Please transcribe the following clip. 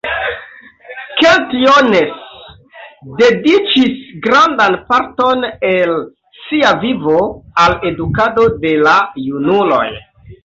Kent Jones dediĉis grandan parton el sia vivo al edukado de la junuloj.